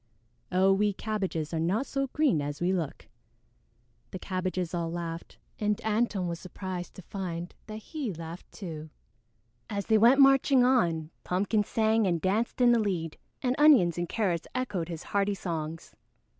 Oh, we Cabbages are not so green as we look!" The Cabbages all laughed, and Antone was surprised to find that he laughed too. As they went marching on, Pumpkin sang and danced in the lead, and Onions and Carrots echoed his hearty songs.